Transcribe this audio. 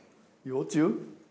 幼虫？